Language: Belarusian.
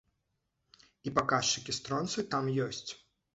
І паказчыкі стронцыю там ёсць.